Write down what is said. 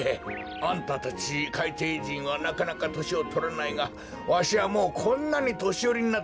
あんたたちかいていじんはなかなかとしをとらないがわしはもうこんなにとしよりになってしもうた。